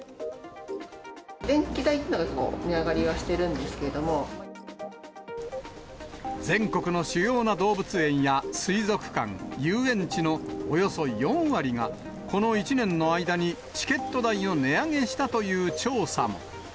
電気代っていうのが値上がり全国の主要な動物園や水族館、遊園地のおよそ４割がこの１年の間にチケット代を値上げしたという調査も。